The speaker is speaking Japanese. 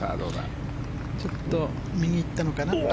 ちょっと右に行ったのかな。